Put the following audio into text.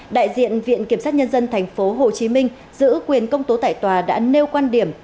đại diện viện kiểm sát nhân dân tp hcm giữ quyền công tố tại tòa đã nêu quan điểm